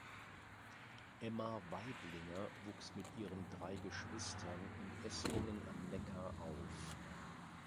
Emma Waiblinger wuchs mit ihren drei Geschwistern in Eßlingen am Neckar auf.